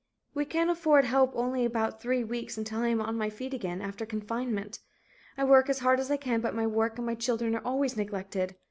"We can afford help only about 3 weeks, until I am on my feet again, after confinement. I work as hard as I can but my work and my children are always neglected.